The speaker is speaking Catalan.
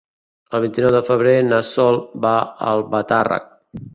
El vint-i-nou de febrer na Sol va a Albatàrrec.